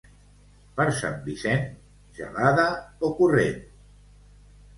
Per Sant Vicent, gelada o corrent.